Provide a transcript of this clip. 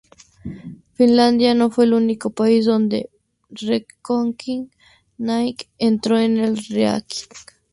Finlandia no fue el único país donde Reckoning Night entró en el ranking.